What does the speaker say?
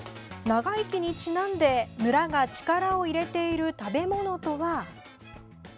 長生きにちなんで村が力を入れている食べ物とは。